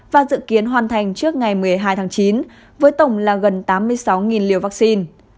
và dự kiến hoàn thành trước ngày một mươi hai tháng chín với tổng là gần tám mươi sáu liều vaccine